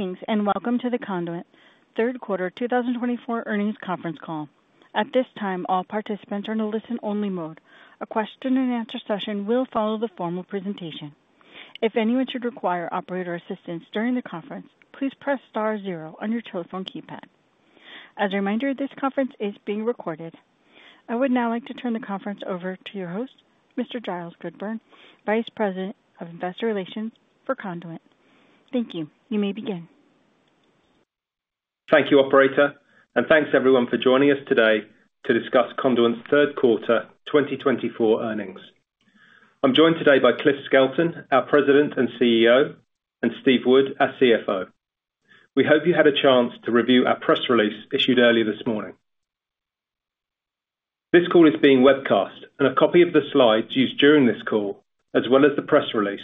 Greetings and welcome to the Conduent Third Quarter 2024 Earnings Conference Call. At this time, all participants are in a listen-only mode. A question-and-answer session will follow the formal presentation. If anyone should require operator assistance during the conference, please press star zero on your telephone keypad. As a reminder, this conference is being recorded. I would now like to turn the conference over to your host, Mr. Giles Goodburn, Vice President of Investor Relations for Conduent. Thank you. You may begin. Thank you, Operator, and thanks everyone for joining us today to discuss Conduent's Third Quarter 2024 earnings. I'm joined today by Cliff Skelton, our President and CEO, and Steve Wood, our CFO. We hope you had a chance to review our press release issued earlier this morning. This call is being webcast, and a copy of the slides used during this call, as well as the press release,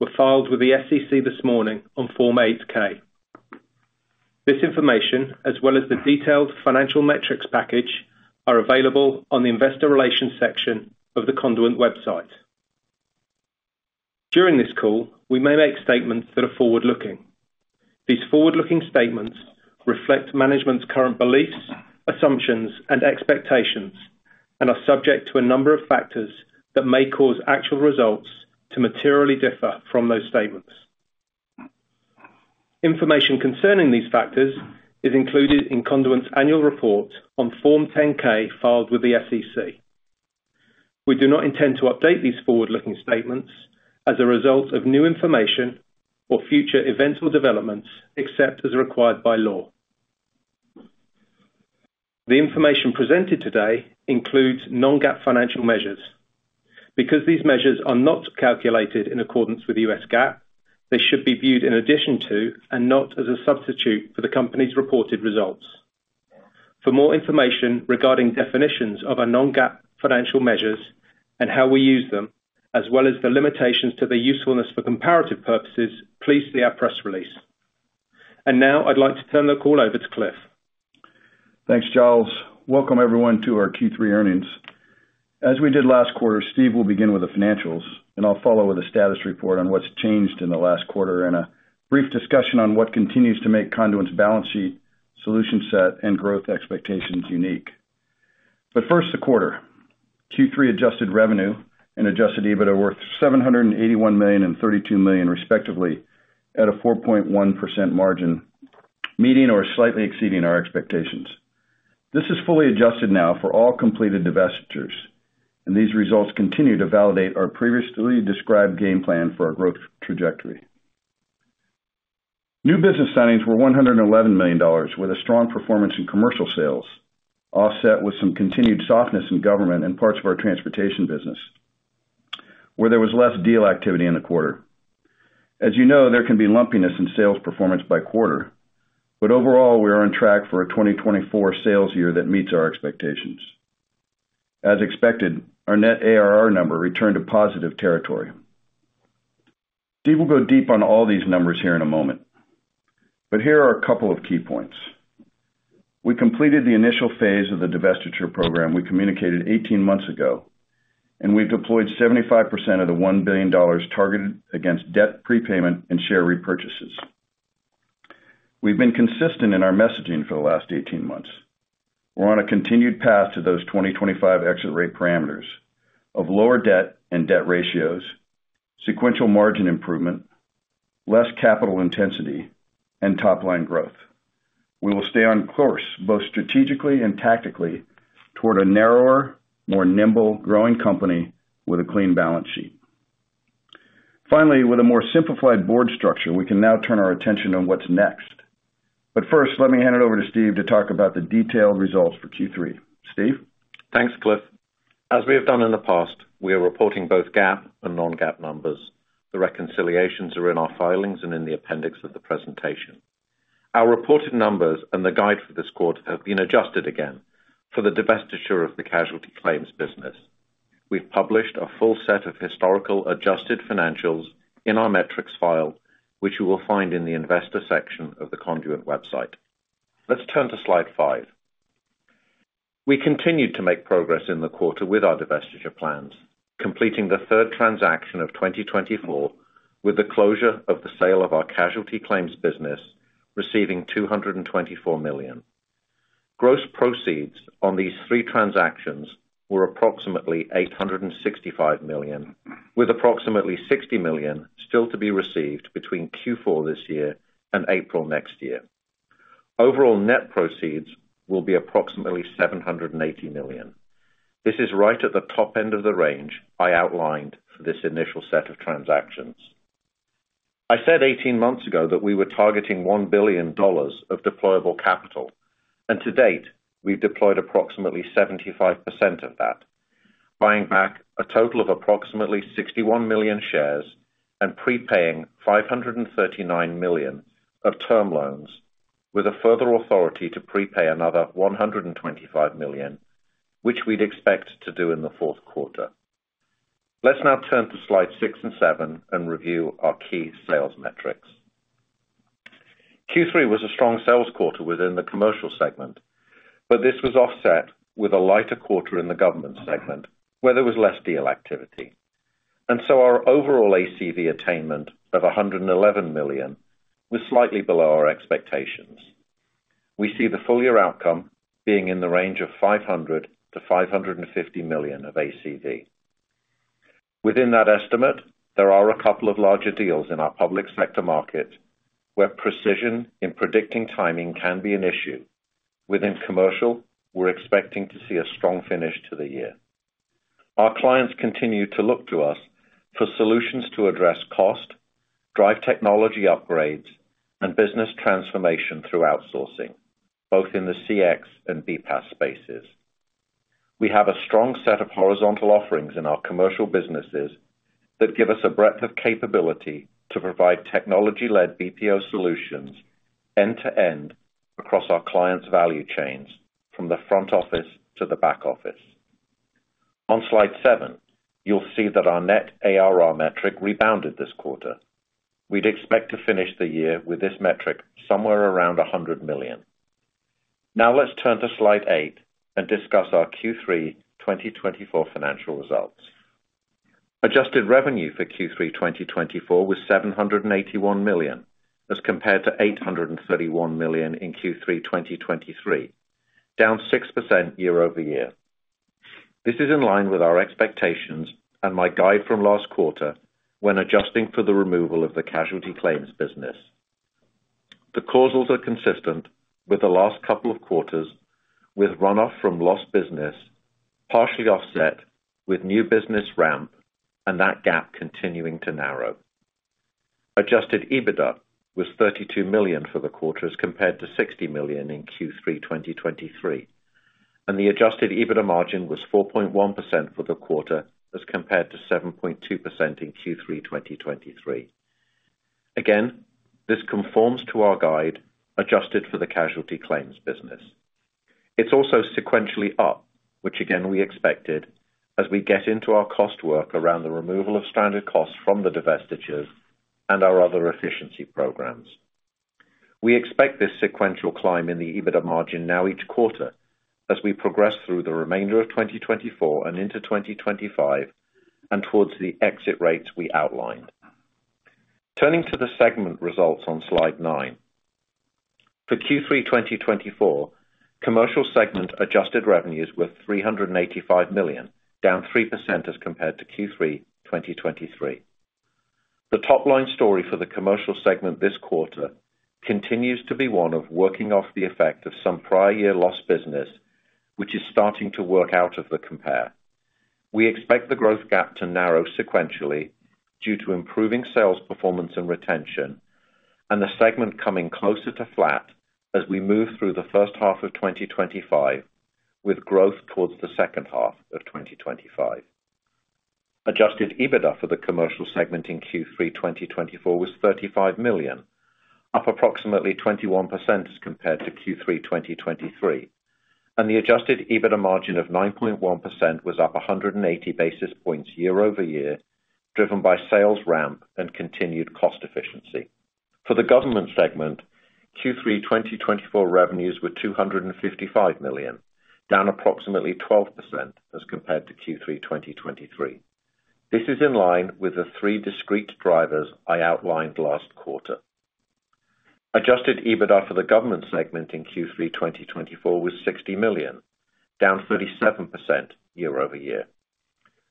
were filed with the SEC this morning on Form 8-K. This information, as well as the detailed financial metrics package, are available on the Investor Relations section of the Conduent website. During this call, we may make statements that are forward-looking. These forward-looking statements reflect management's current beliefs, assumptions, and expectations, and are subject to a number of factors that may cause actual results to materially differ from those statements. Information concerning these factors is included in Conduent's annual report on Form 10-K filed with the SEC. We do not intend to update these forward-looking statements as a result of new information or future events or developments except as required by law. The information presented today includes non-GAAP financial measures. Because these measures are not calculated in accordance with U.S. GAAP, they should be viewed in addition to and not as a substitute for the company's reported results. For more information regarding definitions of our non-GAAP financial measures and how we use them, as well as the limitations to their usefulness for comparative purposes, please see our press release. And now, I'd like to turn the call over to Cliff. Thanks, Giles. Welcome everyone to our Q3 earnings. As we did last quarter, Steve will begin with the financials, and I'll follow with a status report on what's changed in the last quarter and a brief discussion on what continues to make Conduent's balance sheet, solution set, and growth expectations unique. But first, the quarter. Q3 Adjusted Revenue and Adjusted EBITDA were $781 million and $32 million, respectively, at a 4.1% margin, meeting or slightly exceeding our expectations. This is fully adjusted now for all completed divestitures, and these results continue to validate our previously described game plan for our growth trajectory. New business signings were $111 million, with a strong performance in commercial sales, offset with some continued softness in government and parts of our transportation business, where there was less deal activity in the quarter. As you know, there can be lumpiness in sales performance by quarter, but overall, we are on track for a 2024 sales year that meets our expectations. As expected, our net ARR number returned to positive territory. Steve will go deep on all these numbers here in a moment, but here are a couple of key points. We completed the initial phase of the divestiture program we communicated 18 months ago, and we've deployed 75% of the $1 billion targeted against debt prepayment and share repurchases. We've been consistent in our messaging for the last 18 months. We're on a continued path to those 2025 exit rate parameters of lower debt and debt ratios, sequential margin improvement, less capital intensity, and top-line growth. We will stay on course both strategically and tactically toward a narrower, more nimble growing company with a clean balance sheet. Finally, with a more simplified board structure, we can now turn our attention on what's next. But first, let me hand it over to Steve to talk about the detailed results for Q3. Steve? Thanks, Cliff. As we have done in the past, we are reporting both GAAP and non-GAAP numbers. The reconciliations are in our filings and in the appendix of the presentation. Our reported numbers and the guide for this quarter have been adjusted again for the divestiture of the casualty claims business. We've published a full set of historical adjusted financials in our metrics file, which you will find in the investor section of the Conduent website. Let's turn to slide five. We continued to make progress in the quarter with our divestiture plans, completing the third transaction of 2024 with the closure of the sale of our casualty claims business, receiving $224 million. Gross proceeds on these three transactions were approximately $865 million, with approximately $60 million still to be received between Q4 this year and April next year. Overall net proceeds will be approximately $780 million. This is right at the top end of the range I outlined for this initial set of transactions. I said 18 months ago that we were targeting $1 billion of deployable capital, and to date, we've deployed approximately 75% of that, buying back a total of approximately 61 million shares and prepaying $539 million of term loans, with a further authority to prepay another $125 million, which we'd expect to do in the fourth quarter. Let's now turn to slides six and seven and review our key sales metrics. Q3 was a strong sales quarter within the commercial segment, but this was offset with a lighter quarter in the government segment, where there was less deal activity. And so our overall ACV attainment of $111 million was slightly below our expectations. We see the full year outcome being in the range of $500-$550 million of ACV. Within that estimate, there are a couple of larger deals in our public sector market where precision in predicting timing can be an issue. Within commercial, we're expecting to see a strong finish to the year. Our clients continue to look to us for solutions to address cost, drive technology upgrades, and business transformation through outsourcing, both in the CX and BPaaS spaces. We have a strong set of horizontal offerings in our commercial businesses that give us a breadth of capability to provide technology-led BPO solutions end-to-end across our clients' value chains, from the front office to the back office. On slide seven, you'll see that our net ARR metric rebounded this quarter. We'd expect to finish the year with this metric somewhere around $100 million. Now, let's turn to slide eight and discuss our Q3 2024 financial results. Adjusted revenue for Q3 2024 was $781 million, as compared to $831 million in Q3 2023, down 6% year-over-year. This is in line with our expectations and my guide from last quarter when adjusting for the removal of the casualty claims business. The actuals are consistent with the last couple of quarters, with runoff from lost business partially offset with new business ramp and that gap continuing to narrow. Adjusted EBITDA was $32 million for the quarter as compared to $60 million in Q3 2023, and the Adjusted EBITDA margin was 4.1% for the quarter as compared to 7.2% in Q3 2023. Again, this conforms to our guide adjusted for the casualty claims business. It's also sequentially up, which again we expected as we get into our cost work around the removal of stranded costs from the divestitures and our other efficiency programs. We expect this sequential climb in the EBITDA margin now each quarter as we progress through the remainder of 2024 and into 2025 and towards the exit rates we outlined. Turning to the segment results on slide nine, for Q3 2024, commercial segment adjusted revenues were $385 million, down 3% as compared to Q3 2023. The top-line story for the commercial segment this quarter continues to be one of working off the effect of some prior year lost business, which is starting to work out of the compare. We expect the growth gap to narrow sequentially due to improving sales performance and retention, and the segment coming closer to flat as we move through the first half of 2025, with growth towards the second half of 2025. Adjusted EBITDA for the commercial segment in Q3 2024 was $35 million, up approximately 21% as compared to Q3 2023, and the Adjusted EBITDA margin of 9.1% was up 180 basis points year-over-year, driven by sales ramp and continued cost efficiency. For the government segment, Q3 2024 revenues were $255 million, down approximately 12% as compared to Q3 2023. This is in line with the three discrete drivers I outlined last quarter. Adjusted EBITDA for the government segment in Q3 2024 was $60 million, down 37% year-over-year.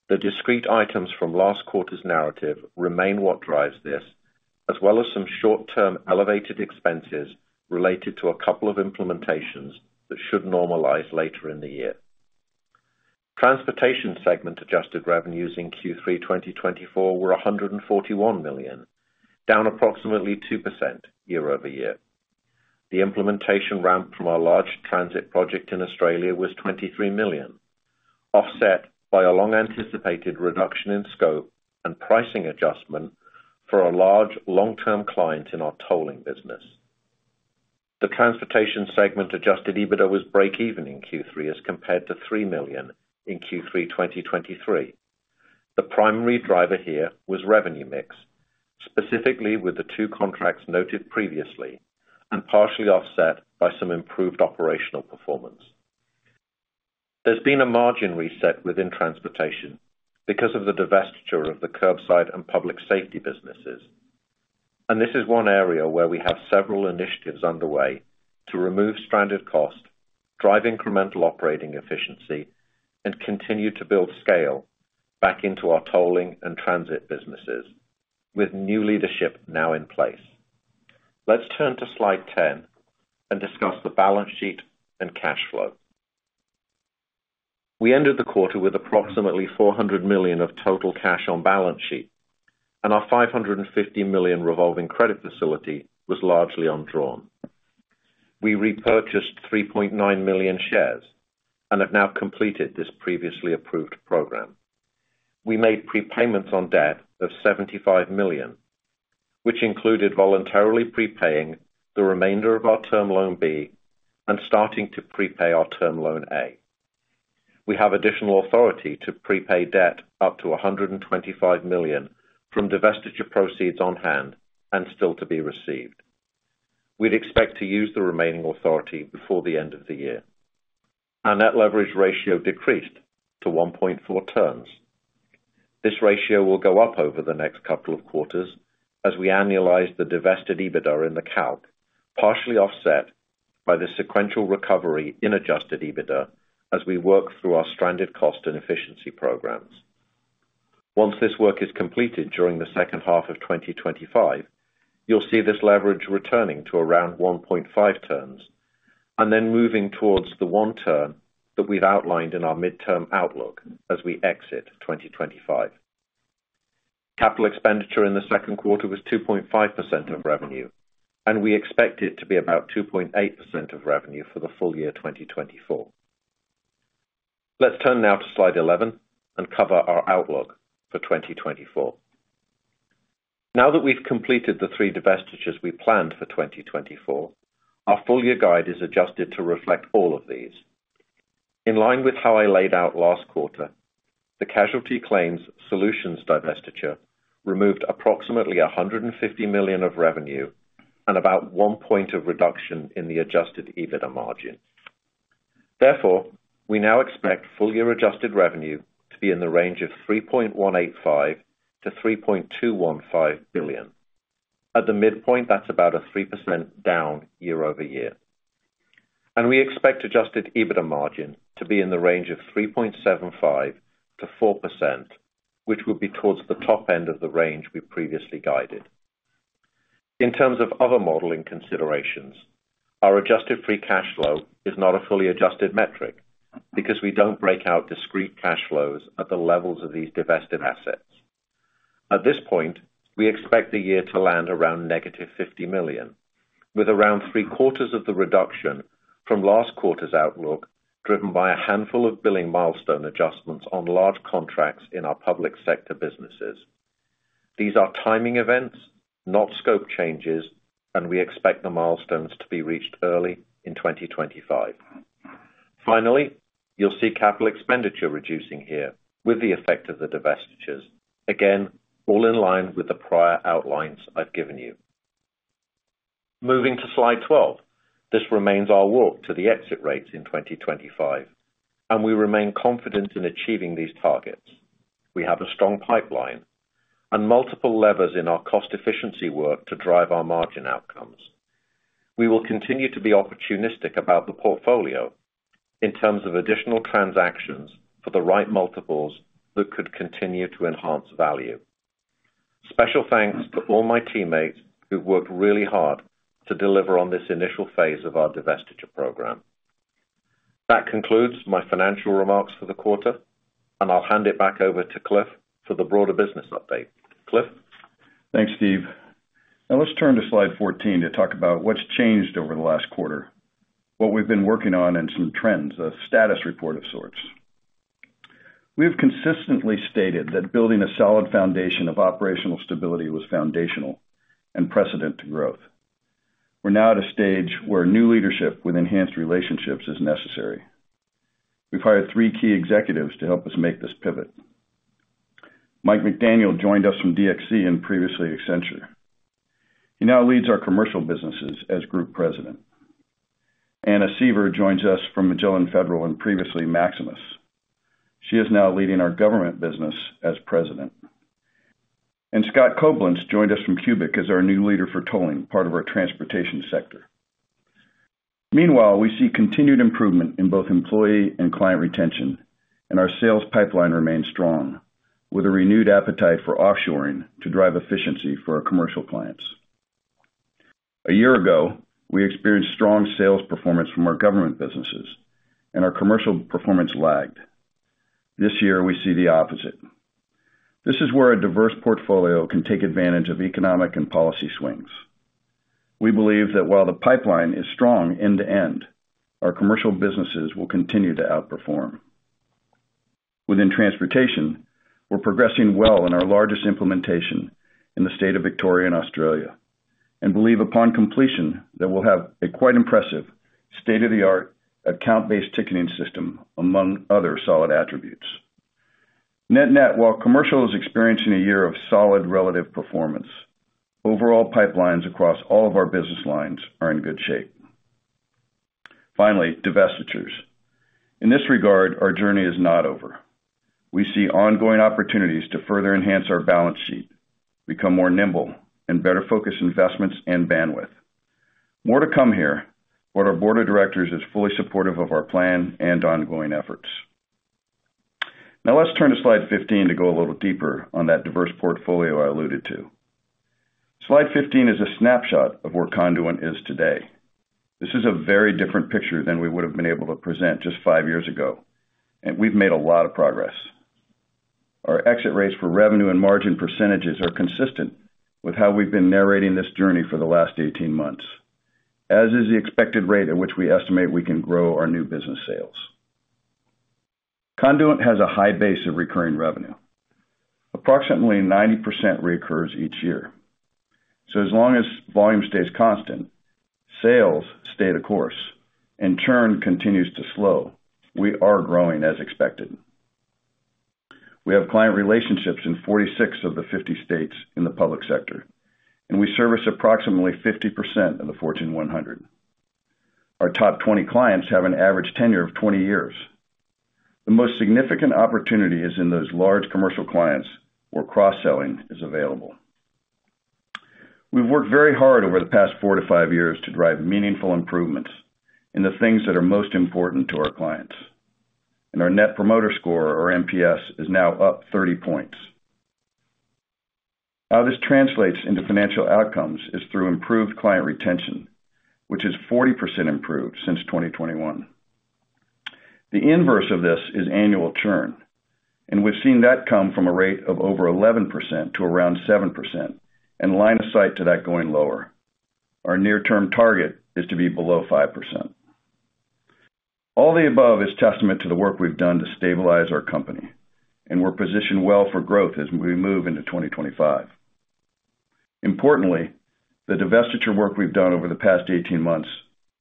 The discrete items from last quarter's narrative remain what drives this, as well as some short-term elevated expenses related to a couple of implementations that should normalize later in the year. Transportation segment adjusted revenues in Q3 2024 were $141 million, down approximately 2% year-over-year. The implementation ramp from our large transit project in Australia was $23 million, offset by a long-anticipated reduction in scope and pricing adjustment for a large long-term client in our tolling business. The transportation segment Adjusted EBITDA was break-even in Q3 as compared to $3 million in Q3 2023. The primary driver here was revenue mix, specifically with the two contracts noted previously, and partially offset by some improved operational performance. There's been a margin reset within transportation because of the divestiture of the Curbside Management and Public Safety businesses, and this is one area where we have several initiatives underway to remove stranded cost, drive incremental operating efficiency, and continue to build scale back into our tolling and transit businesses, with new leadership now in place. Let's turn to slide ten and discuss the balance sheet and cash flow. We ended the quarter with approximately $400 million of total cash on balance sheet, and our $550 million revolving credit facility was largely undrawn. We repurchased $3.9 million shares and have now completed this previously approved program. We made prepayments on debt of $75 million, which included voluntarily prepaying the remainder of our Term Loan B and starting to prepay our Term Loan A. We have additional authority to prepay debt up to $125 million from divestiture proceeds on hand and still to be received. We'd expect to use the remaining authority before the end of the year. Our Net Leverage Ratio decreased to 1.4 turns. This ratio will go up over the next couple of quarters as we annualize the divested EBITDA in the calc, partially offset by the sequential recovery in Adjusted EBITDA as we work through our stranded cost and efficiency programs. Once this work is completed during the second half of 2025, you'll see this leverage returning to around 1.5 turns and then moving towards the one turn that we've outlined in our midterm outlook as we exit 2025. Capital expenditure in the second quarter was 2.5% of revenue, and we expect it to be about 2.8% of revenue for the full year 2024. Let's turn now to slide 11 and cover our outlook for 2024. Now that we've completed the three divestitures we planned for 2024, our full year guide is adjusted to reflect all of these. In line with how I laid out last quarter, the Casualty Claims Solutions divestiture removed approximately $150 million of revenue and about one point of reduction in the Adjusted EBITDA margin. Therefore, we now expect full year adjusted revenue to be in the range of $3.185-$3.215 billion. At the midpoint, that's about a 3% down year-over-year, and we expect Adjusted EBITDA margin to be in the range of 3.75%-4%, which would be towards the top end of the range we previously guided. In terms of other modeling considerations, our Adjusted Free Cash Flow is not a fully adjusted metric because we don't break out discrete cash flows at the levels of these divested assets. At this point, we expect the year to land around negative $50 million, with around three-quarters of the reduction from last quarter's outlook driven by a handful of billing milestone adjustments on large contracts in our public sector businesses. These are timing events, not scope changes, and we expect the milestones to be reached early in 2025. Finally, you'll see capital expenditure reducing here with the effect of the divestitures, again all in line with the prior outlines I've given you. Moving to slide twelve, this remains our walk to the exit rates in 2025, and we remain confident in achieving these targets. We have a strong pipeline and multiple levers in our cost efficiency work to drive our margin outcomes. We will continue to be opportunistic about the portfolio in terms of additional transactions for the right multiples that could continue to enhance value. Special thanks to all my teammates who've worked really hard to deliver on this initial phase of our divestiture program. That concludes my financial remarks for the quarter, and I'll hand it back over to Cliff for the broader business update. Cliff. Thanks, Steve. Now, let's turn to slide fourteen to talk about what's changed over the last quarter, what we've been working on, and some trends, a status report of sorts. We have consistently stated that building a solid foundation of operational stability was foundational and precedent to growth. We're now at a stage where new leadership with enhanced relationships is necessary. We've hired three key executives to help us make this pivot. Mike McDaniel joined us from DXC and previously Accenture. He now leads our commercial businesses as Group President. Anna Sever joins us from Magellan Federal and previously Maximus. She is now leading our government business as President. And Scott Colborne joined us from Cubic as our new Leader for tolling, part of our transportation sector. Meanwhile, we see continued improvement in both employee and client retention, and our sales pipeline remains strong with a renewed appetite for offshoring to drive efficiency for our commercial clients. A year ago, we experienced strong sales performance from our government businesses, and our commercial performance lagged. This year, we see the opposite. This is where a diverse portfolio can take advantage of economic and policy swings. We believe that while the pipeline is strong end-to-end, our commercial businesses will continue to outperform. Within transportation, we're progressing well in our largest implementation in the state of Victoria, in Australia, and believe upon completion that we'll have a quite impressive state-of-the-art account-based ticketing system among other solid attributes. Net-net, while commercial is experiencing a year of solid relative performance, overall pipelines across all of our business lines are in good shape. Finally, divestitures. In this regard, our journey is not over. We see ongoing opportunities to further enhance our balance sheet, become more nimble, and better focus investments and bandwidth. More to come here, but our board of directors is fully supportive of our plan and ongoing efforts. Now, let's turn to slide fifteen to go a little deeper on that diverse portfolio I alluded to. Slide fifteen is a snapshot of where Conduent is today. This is a very different picture than we would have been able to present just five years ago, and we've made a lot of progress. Our exit rates for revenue and margin percentages are consistent with how we've been narrating this journey for the last 18 months, as is the expected rate at which we estimate we can grow our new business sales. Conduent has a high base of recurring revenue. Approximately 90% recurs each year. As long as volume stays constant, sales stay the course, and churn continues to slow, we are growing as expected. We have client relationships in 46 of the 50 states in the public sector, and we service approximately 50% of the Fortune 100. Our top 20 clients have an average tenure of 20 years. The most significant opportunity is in those large commercial clients where cross-selling is available. We've worked very hard over the past four to five years to drive meaningful improvements in the things that are most important to our clients, and our Net Promoter Score, or NPS, is now up 30 points. How this translates into financial outcomes is through improved client retention, which is 40% improved since 2021. The inverse of this is annual churn, and we've seen that come from a rate of over 11% to around 7% and line of sight to that going lower. Our near-term target is to be below 5%. All the above is testament to the work we've done to stabilize our company, and we're positioned well for growth as we move into 2025. Importantly, the divestiture work we've done over the past 18 months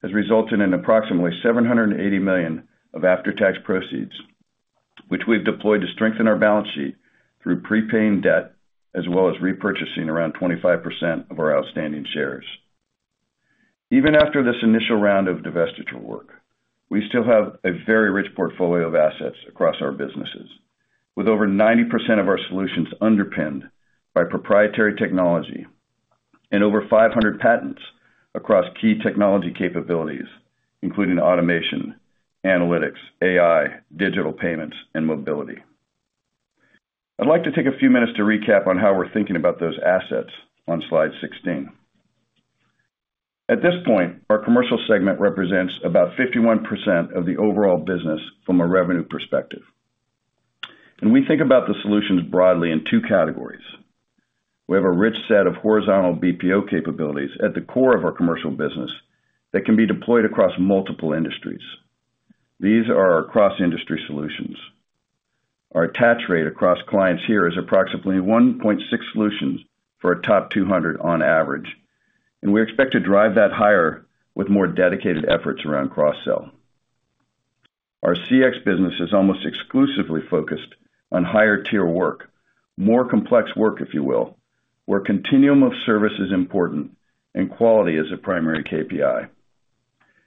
has resulted in approximately $780 million of after-tax proceeds, which we've deployed to strengthen our balance sheet through prepaying debt as well as repurchasing around 25% of our outstanding shares. Even after this initial round of divestiture work, we still have a very rich portfolio of assets across our businesses, with over 90% of our solutions underpinned by proprietary technology and over 500 patents across key technology capabilities, including automation, analytics, AI, digital payments, and mobility. I'd like to take a few minutes to recap on how we're thinking about those assets on slide 16. At this point, our commercial segment represents about 51% of the overall business from a revenue perspective, and we think about the solutions broadly in two categories. We have a rich set of horizontal BPO capabilities at the core of our commercial business that can be deployed across multiple industries. These are our cross-industry solutions. Our attach rate across clients here is approximately 1.6 solutions for a top 200 on average, and we expect to drive that higher with more dedicated efforts around cross-sell. Our CX business is almost exclusively focused on higher-tier work, more complex work, if you will, where continuum of service is important and quality is a primary KPI.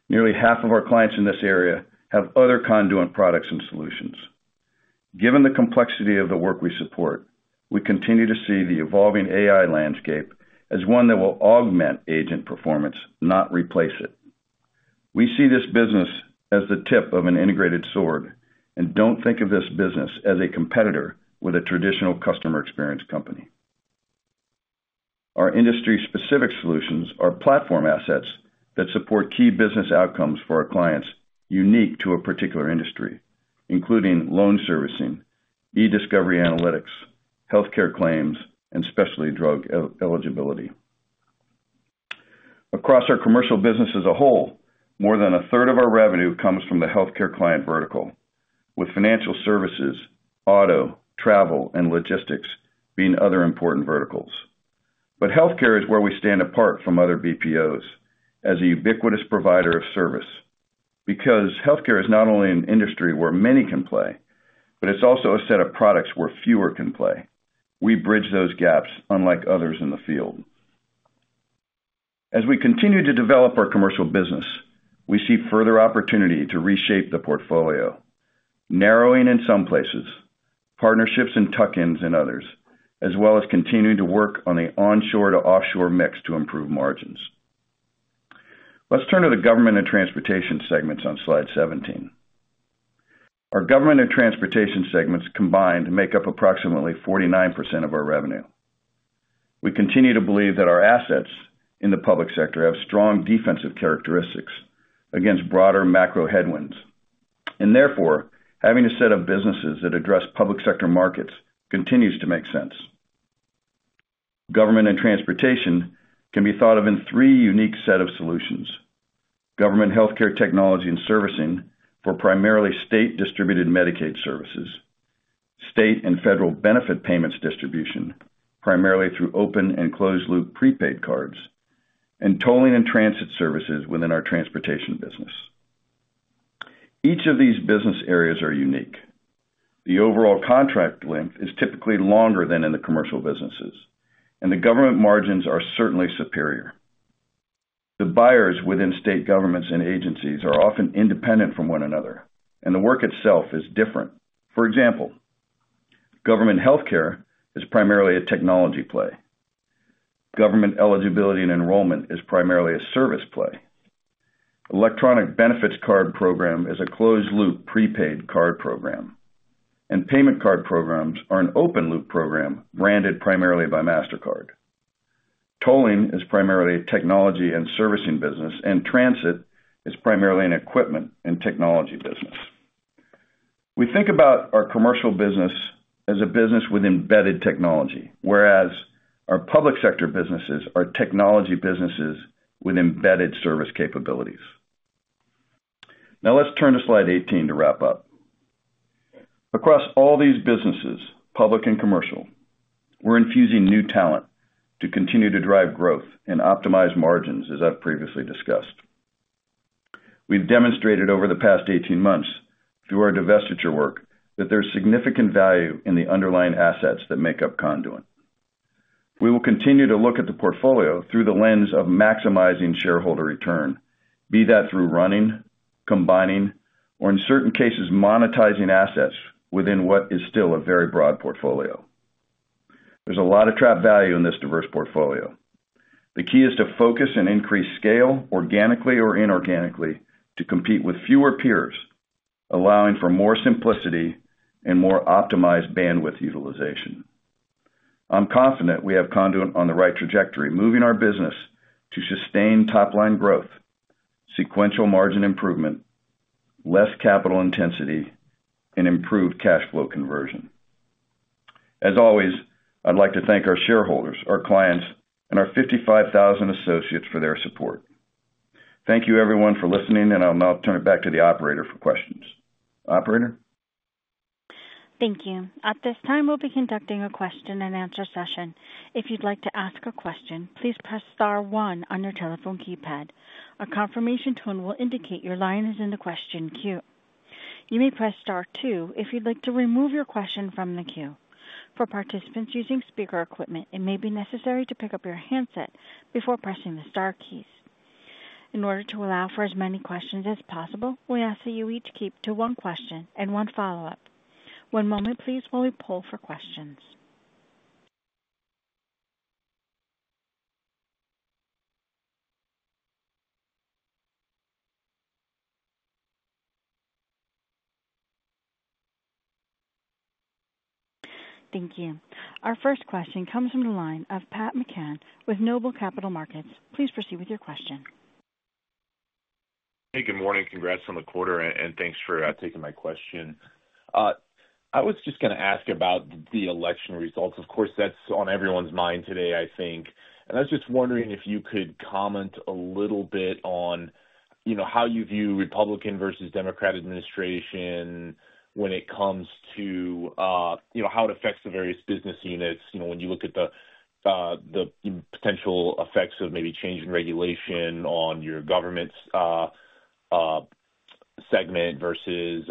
Nearly half of our clients in this area have other Conduent products and solutions. Given the complexity of the work we support, we continue to see the evolving AI landscape as one that will augment agent performance, not replace it. We see this business as the tip of an integrated sword and don't think of this business as a competitor with a traditional customer experience company. Our industry-specific solutions are platform assets that support key business outcomes for our clients unique to a particular industry, including loan servicing, e-discovery analytics, healthcare claims, and specialty drug eligibility. Across our commercial business as a whole, more than a third of our revenue comes from the healthcare client vertical, with financial services, auto, travel, and logistics being other important verticals. But healthcare is where we stand apart from other BPOs as a ubiquitous provider of service because healthcare is not only an industry where many can play, but it's also a set of products where fewer can play. We bridge those gaps unlike others in the field. As we continue to develop our commercial business, we see further opportunity to reshape the portfolio, narrowing in some places, partnerships and tuck-ins in others, as well as continuing to work on the onshore to offshore mix to improve margins. Let's turn to the government and transportation segments on slide seventeen. Our government and transportation segments combined make up approximately 49% of our revenue. We continue to believe that our assets in the public sector have strong defensive characteristics against broader macro headwinds, and therefore having a set of businesses that address public sector markets continues to make sense. Government and transportation can be thought of in three unique sets of solutions: government healthcare technology and servicing for primarily state-distributed Medicaid services, state and federal benefit payments distribution primarily through open and closed-loop prepaid cards, and tolling and transit services within our transportation business. Each of these business areas are unique. The overall contract length is typically longer than in the commercial businesses, and the government margins are certainly superior. The buyers within state governments and agencies are often independent from one another, and the work itself is different. For example, government healthcare is primarily a technology play. Government eligibility and enrollment is primarily a service play. Electronic benefits card program is a closed-loop prepaid card program, and payment card programs are an open-loop program branded primarily by Mastercard. Tolling is primarily a technology and servicing business, and transit is primarily an equipment and technology business. We think about our commercial business as a business with embedded technology, whereas our public sector businesses are technology businesses with embedded service capabilities. Now, let's turn to slide eighteen to wrap up. Across all these businesses, public and commercial, we're infusing new talent to continue to drive growth and optimize margins, as I've previously discussed. We've demonstrated over the past 18 months through our divestiture work that there's significant value in the underlying assets that make up Conduent. We will continue to look at the portfolio through the lens of maximizing shareholder return, be that through running, combining, or in certain cases monetizing assets within what is still a very broad portfolio. There's a lot of trapped value in this diverse portfolio. The key is to focus and increase scale organically or inorganically to compete with fewer peers, allowing for more simplicity and more optimized bandwidth utilization. I'm confident we have Conduent on the right trajectory, moving our business to sustained top-line growth, sequential margin improvement, less capital intensity, and improved cash flow conversion. As always, I'd like to thank our shareholders, our clients, and our 55,000 associates for their support. Thank you, everyone, for listening, and I'll now turn it back to the operator for questions. Operator. Thank you. At this time, we'll be conducting a question-and-answer session. If you'd like to ask a question, please press star one on your telephone keypad. A confirmation tone will indicate your line is in the question queue. You may press star two if you'd like to remove your question from the queue. For participants using speaker equipment, it may be necessary to pick up your handset before pressing the star keys. In order to allow for as many questions as possible, we ask that you each keep to one question and one follow-up. One moment, please, while we poll for questions. Thank you. Our first question comes from the line of Pat McCann with Noble Capital Markets. Please proceed with your question. Hey, good morning. Congrats on the quarter, and thanks for taking my question. I was just going to ask about the election results. Of course, that's on everyone's mind today, I think, and I was just wondering if you could comment a little bit on how you view Republican versus Democrat administration when it comes to how it affects the various business units, when you look at the potential effects of maybe changing regulation on your government's segment versus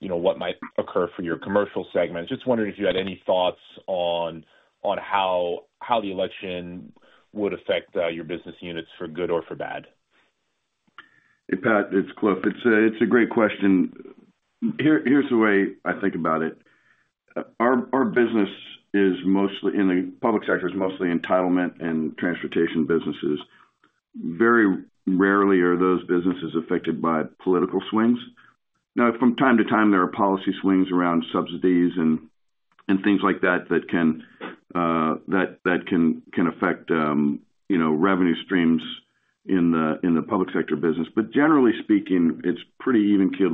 what might occur for your commercial segment. Just wondering if you had any thoughts on how the election would affect your business units for good or for bad? Hey, Pat, it's Cliff. It's a great question. Here's the way I think about it. Our business is mostly in the public sector, is mostly entitlement and transportation businesses. Very rarely are those businesses affected by political swings. Now, from time to time, there are policy swings around subsidies and things like that that can affect revenue streams in the public sector business. But generally speaking, it's pretty even-keeled.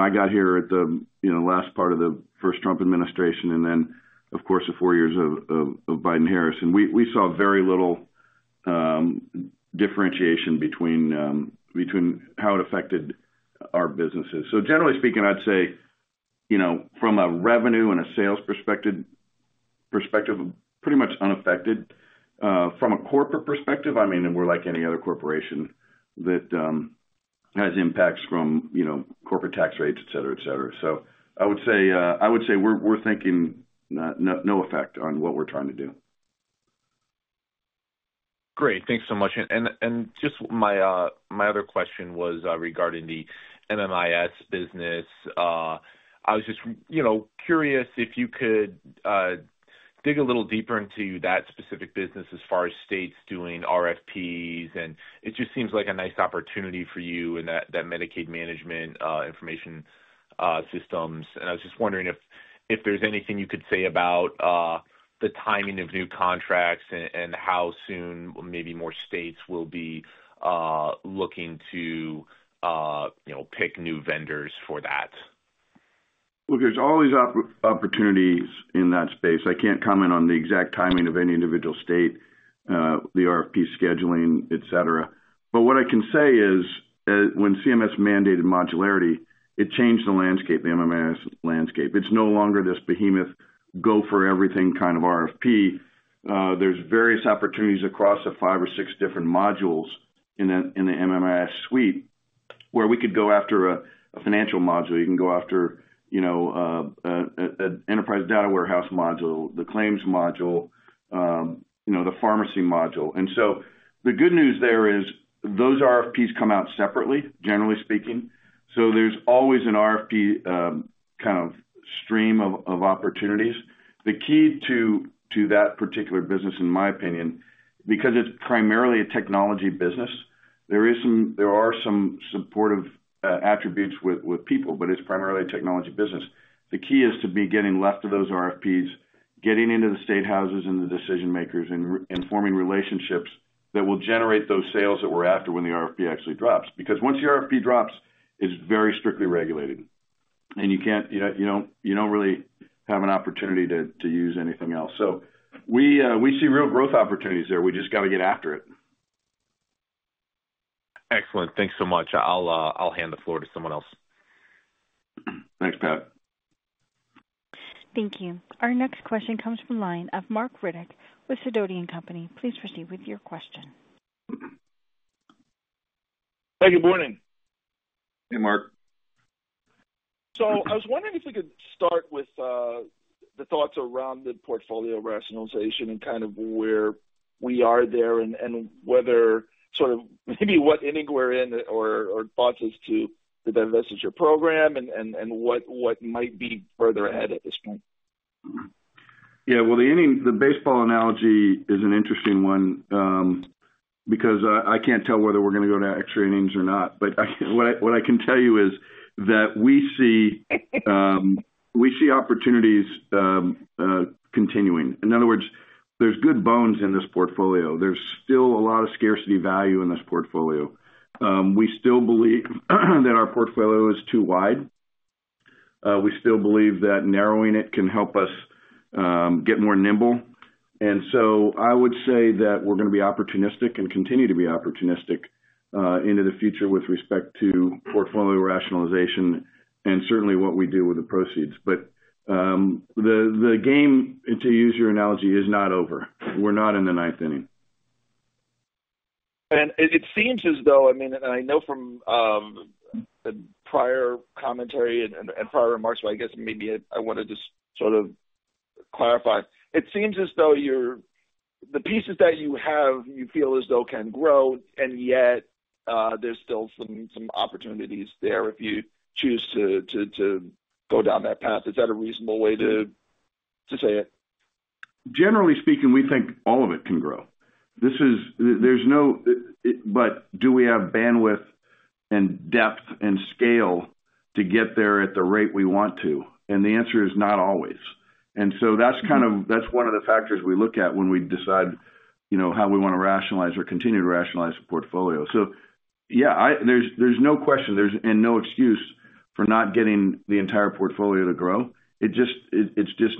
I got here at the last part of the first Trump administration, and then, of course, the four years of Biden-Harris, and we saw very little differentiation between how it affected our businesses. So generally speaking, I'd say from a revenue and a sales perspective, pretty much unaffected. From a corporate perspective, I mean, we're like any other corporation that has impacts from corporate tax rates, etc., etc. So I would say we're thinking no effect on what we're trying to do. Great. Thanks so much, and just my other question was regarding the MMIS business. I was just curious if you could dig a little deeper into that specific business as far as states doing RFPs, and it just seems like a nice opportunity for you and that Medicaid Management Information Systems. And I was just wondering if there's anything you could say about the timing of new contracts and how soon maybe more states will be looking to pick new vendors for that. Look, there's always opportunities in that space. I can't comment on the exact timing of any individual state, the RFP scheduling, etc. But what I can say is when CMS mandated modularity, it changed the landscape, the MMIS landscape. It's no longer this behemoth go for everything kind of RFP. There's various opportunities across the five or six different modules in the MMIS suite where we could go after a financial module. You can go after an enterprise data warehouse module, the claims module, the pharmacy module. And so the good news there is those RFPs come out separately, generally speaking, so there's always an RFP kind of stream of opportunities. The key to that particular business, in my opinion, because it's primarily a technology business, there are some supportive attributes with people, but it's primarily a technology business. The key is to be getting left of those RFPs, getting into the state houses and the decision-makers, and forming relationships that will generate those sales that we're after when the RFP actually drops. Because once the RFP drops, it's very strictly regulated, and you don't really have an opportunity to use anything else. So we see real growth opportunities there. We just got to get after it. Excellent. Thanks so much. I'll hand the floor to someone else. Thanks, Pat. Thank you. Our next question comes from the line of Marc Riddick with Sidoti & Company. Please proceed with your question. Hey, good morning. Hey, Marc. So I was wondering if we could start with the thoughts around the portfolio rationalization and kind of where we are there and whether sort of maybe any other thoughts as to the divestiture program and what might be further ahead at this point. Yeah. Well, the baseball analogy is an interesting one because I can't tell whether we're going to go to extra innings or not, but what I can tell you is that we see opportunities continuing. In other words, there's good bones in this portfolio. There's still a lot of scarcity value in this portfolio. We still believe that our portfolio is too wide. We still believe that narrowing it can help us get more nimble. And so I would say that we're going to be opportunistic and continue to be opportunistic into the future with respect to portfolio rationalization and certainly what we do with the proceeds. But the game, to use your analogy, is not over. We're not in the ninth inning. And it seems as though, I mean, and I know from prior commentary and prior remarks, but I guess maybe I want to just sort of clarify. It seems as though the pieces that you have, you feel as though can grow, and yet there's still some opportunities there if you choose to go down that path. Is that a reasonable way to say it? Generally speaking, we think all of it can grow. There's no, but do we have bandwidth and depth and scale to get there at the rate we want to? And the answer is not always. And so that's kind of one of the factors we look at when we decide how we want to rationalize or continue to rationalize the portfolio. So yeah, there's no question and no excuse for not getting the entire portfolio to grow. It just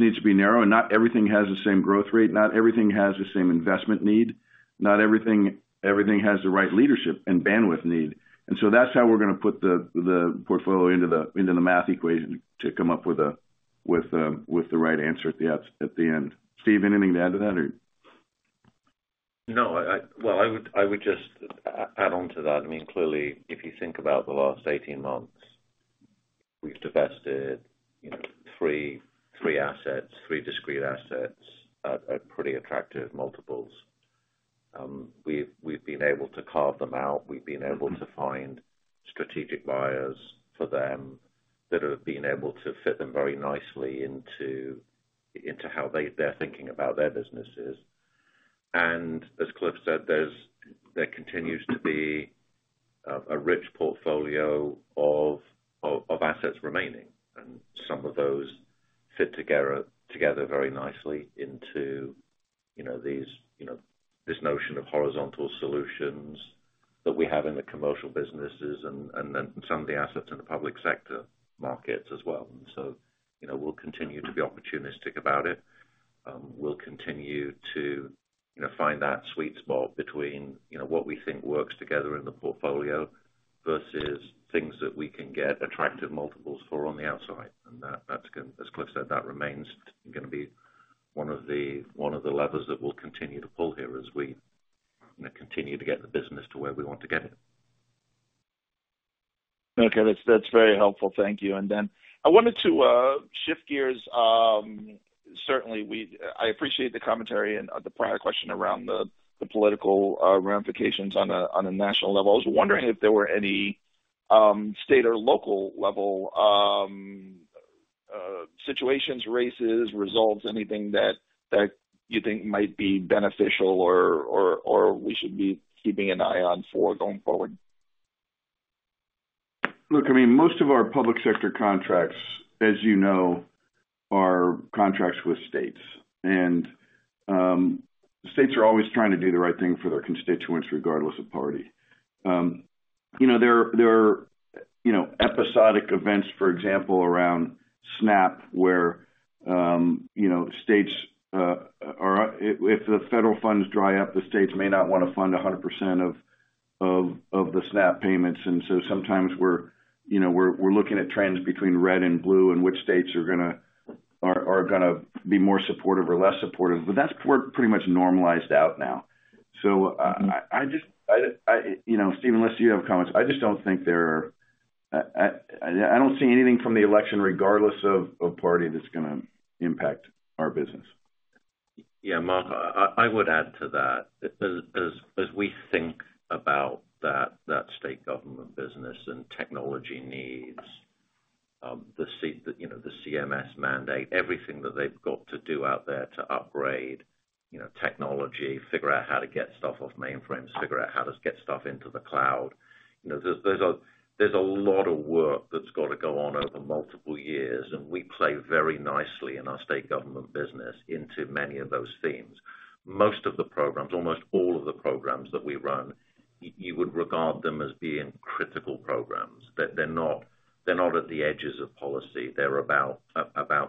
needs to be narrow, and not everything has the same growth rate. Not everything has the same investment need. Not everything has the right leadership and bandwidth need. And so that's how we're going to put the portfolio into the math equation to come up with the right answer at the end. Steve, anything to add to that, or? No. Well, I would just add on to that. I mean, clearly, if you think about the last 18 months, we've divested three assets, three discrete assets at pretty attractive multiples. We've been able to carve them out. We've been able to find strategic buyers for them that have been able to fit them very nicely into how they're thinking about their businesses. And as Cliff said, there continues to be a rich portfolio of assets remaining, and some of those fit together very nicely into this notion of horizontal solutions that we have in the commercial businesses and then some of the assets in the public sector markets as well. And so we'll continue to be opportunistic about it. We'll continue to find that sweet spot between what we think works together in the portfolio versus things that we can get attractive multiples for on the outside. And as Cliff said, that remains going to be one of the levers that we'll continue to pull here as we continue to get the business to where we want to get it. Okay. That's very helpful. Thank you. And then I wanted to shift gears. Certainly, I appreciate the commentary and the prior question around the political ramifications on a national level. I was wondering if there were any state or local level situations, races, results, anything that you think might be beneficial or we should be keeping an eye on for going forward? Look, I mean, most of our public sector contracts, as you know, are contracts with states, and states are always trying to do the right thing for their constituents regardless of party. There are episodic events, for example, around SNAP where states are if the federal funds dry up, the states may not want to fund 100% of the SNAP payments. And so sometimes we're looking at trends between red and blue and which states are going to be more supportive or less supportive, but that's pretty much normalized out now. So, Steve, unless you have comments, I just don't see anything from the election regardless of party that's going to impact our business. Yeah. Mark, I would add to that. As we think about that state government business and technology needs, the CMS mandate, everything that they've got to do out there to upgrade technology, figure out how to get stuff off mainframes, figure out how to get stuff into the cloud, there's a lot of work that's got to go on over multiple years, and we play very nicely in our state government business into many of those themes. Most of the programs, almost all of the programs that we run, you would regard them as being critical programs. They're not at the edges of policy. They're about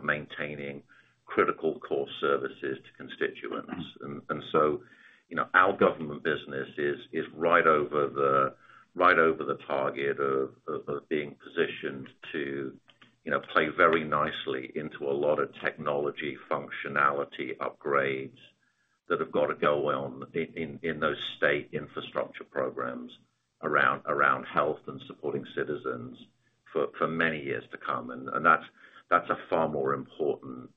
maintaining critical core services to constituents. And so our government business is right over the target of being positioned to play very nicely into a lot of technology functionality upgrades that have got to go on in those state infrastructure programs around health and supporting citizens for many years to come. And that's a far more important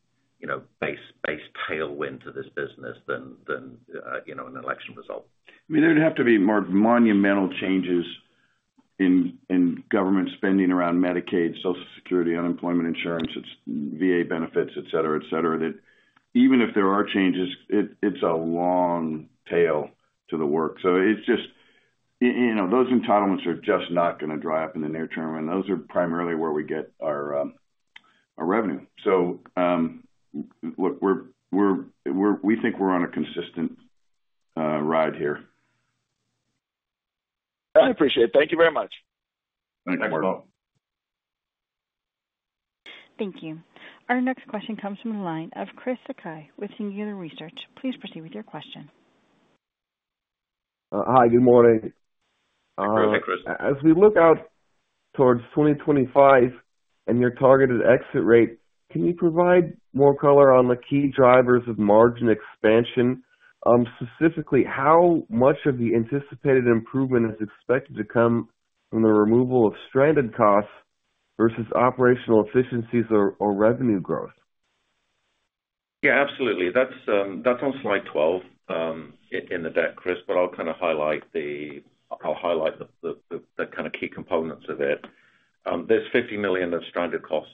base tailwind to this business than an election result. I mean, there would have to be monumental changes in government spending around Medicaid, Social Security, unemployment insurance, VA benefits, etc., etc., that even if there are changes, it's a long tail to the work. So it's just those entitlements are just not going to dry up in the near term, and those are primarily where we get our revenue. So look, we think we're on a consistent ride here. I appreciate it. Thank you very much. Thanks, Mark. Thanks for calling. Thank you. Our next question comes from the line of Chris Sakai with Singular Research. Please proceed with your question. Hi. Good morning. All right. As we look out towards 2025 and your targeted exit rate, can you provide more color on the key drivers of margin expansion? Specifically, how much of the anticipated improvement is expected to come from the removal of stranded costs versus operational efficiencies or revenue growth? Yeah. Absolutely. That's on slide 12 in the deck, Chris, but I'll kind of highlight the kind of key components of it. There's $50 million of stranded cost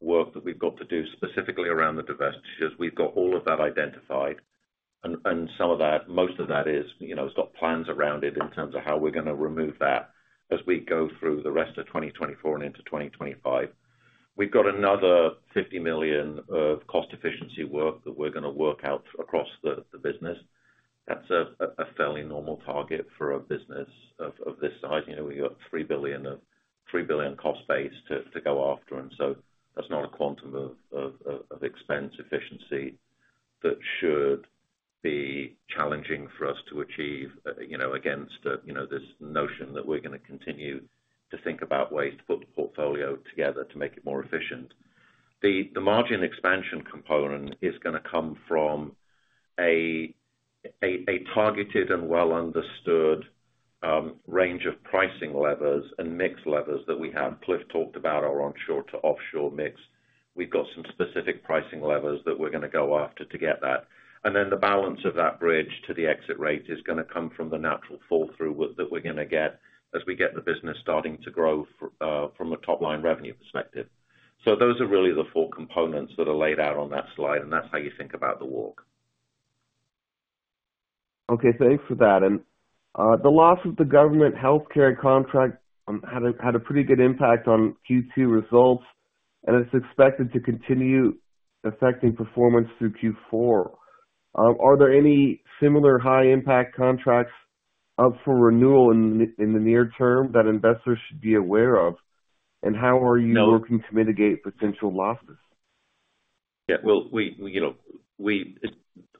work that we've got to do specifically around the divestitures. We've got all of that identified, and some of that, most of that we've got plans around it in terms of how we're going to remove that as we go through the rest of 2024 and into 2025. We've got another $50 million of cost efficiency work that we're going to work out across the business. That's a fairly normal target for a business of this size. We've got $3 billion cost base to go after, and so that's not a quantum of expense efficiency that should be challenging for us to achieve against this notion that we're going to continue to think about ways to put the portfolio together to make it more efficient. The margin expansion component is going to come from a targeted and well-understood range of pricing levers and mix levers that we have. Cliff talked about our onshore to offshore mix. We've got some specific pricing levers that we're going to go after to get that. And then the balance of that bridge to the exit rate is going to come from the natural fall-through that we're going to get as we get the business starting to grow from a top-line revenue perspective. So those are really the four components that are laid out on that slide, and that's how you think about the work. Okay. Thanks for that. And the loss of the government healthcare contract had a pretty good impact on Q2 results, and it's expected to continue affecting performance through Q4. Are there any similar high-impact contracts up for renewal in the near term that investors should be aware of? And how are you working to mitigate potential losses? Yeah. Well,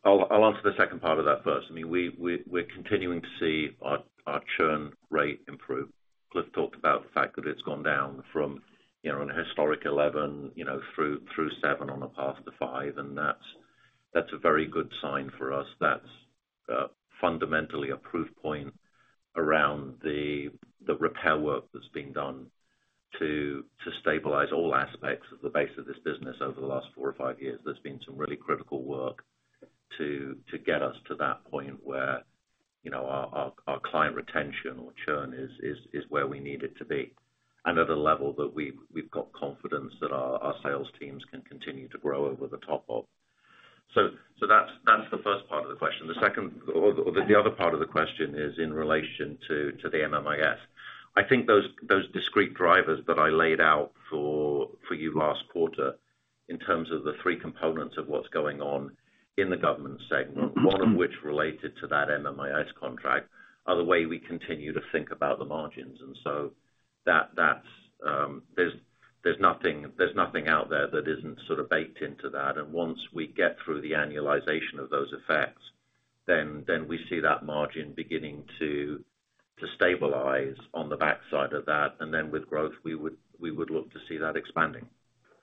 I'll answer the second part of that first. I mean, we're continuing to see our churn rate improve. Cliff talked about the fact that it's gone down from a historic 11 through seven on a path to five, and that's a very good sign for us. That's fundamentally a proof point around the repair work that's being done to stabilize all aspects of the base of this business over the last four or five years. There's been some really critical work to get us to that point where our client retention or churn is where we need it to be and at a level that we've got confidence that our sales teams can continue to grow over the top of. So that's the first part of the question. The other part of the question is in relation to the MMIS. I think those discrete drivers that I laid out for you last quarter in terms of the three components of what's going on in the government segment, one of which related to that MMIS contract, are the way we continue to think about the margins. And so there's nothing out there that isn't sort of baked into that. And once we get through the annualization of those effects, then we see that margin beginning to stabilize on the backside of that. And then with growth, we would look to see that expanding.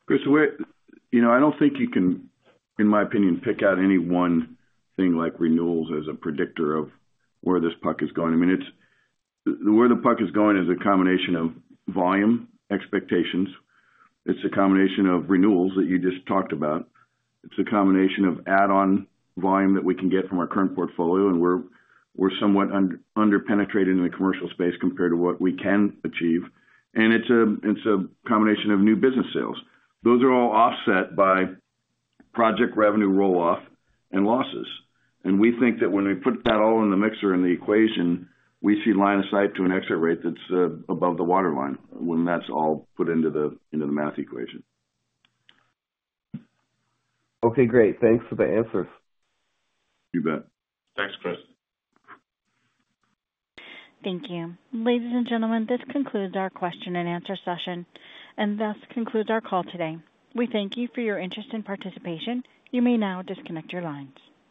Chris, I don't think you can, in my opinion, pick out any one thing like renewals as a predictor of where this puck is going. I mean, where the puck is going is a combination of volume expectations. It's a combination of renewals that you just talked about. It's a combination of add-on volume that we can get from our current portfolio, and we're somewhat underpenetrated in the commercial space compared to what we can achieve. And it's a combination of new business sales. Those are all offset by project revenue roll-off and losses. And we think that when we put that all in the mixer and the equation, we see line of sight to an exit rate that's above the waterline when that's all put into the math equation. Okay. Great. Thanks for the answers. You bet. Thanks, Chris. Thank you. Ladies and gentlemen, this concludes our question-and-answer session, and thus concludes our call today. We thank you for your interest and participation. You may now disconnect your lines.